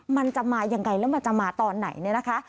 มันจะมายังไงแล้วมันจะมาตอนไหนเนี่ยนะคะ